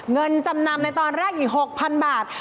เงินจำนำในตอนแรกอยู่๖๐๐๐บาท